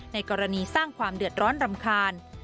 ในกรณีสร้างความเดือดร้อนรำคาญ